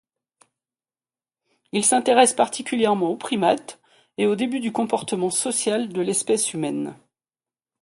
Il s’intéresse particulièrement aux primates et au début du comportement social de l’espèce humaine.